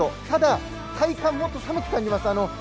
ただ、体感はもっと寒く感じます。